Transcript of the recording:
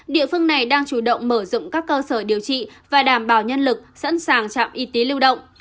địa phương này đang chủ động mở rộng các cơ sở điều trị và đảm bảo nhân lực sẵn sàng trạm y tế lưu động